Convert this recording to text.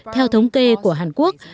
theo thống kê của hàn quốc